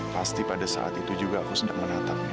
pasti pada saat itu juga aku sudah menatapnya